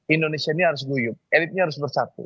indonesia ini harus guyup elitnya harus bersatu